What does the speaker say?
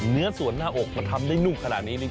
เนื้อส่วนหน้าอกมันทำได้นุ่มขนาดนี้